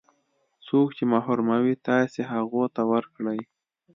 څوک چې محروموي تاسې هغو ته ورکړئ.